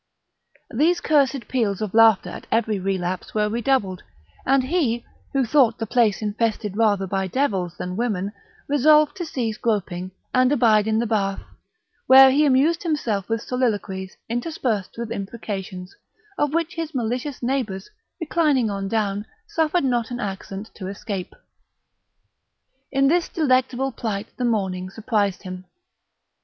These cursed peals of laughter at every relapse were redoubled; and he, who thought the place infested rather by devils than women, resolved to cease groping, and abide in the bath, where he amused himself with soliloquies, interspersed with imprecations, of which his malicious neighbours reclining on down suffered not an accent to escape. In this delectable plight the morning surprised him.